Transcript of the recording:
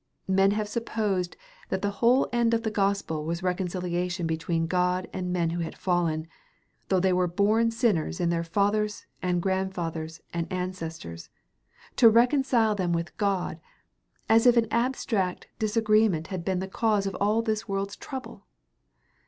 Men have supposed that the whole end of the gospel was reconciliation between God and men who had fallen though they were born sinners in their fathers and grandfathers and ancestors; to reconcile them with God as if an abstract disagreement had been the cause of all this world's trouble!